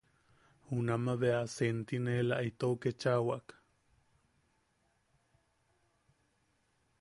Junamaʼa bea sentiinela itou ketchaʼawak.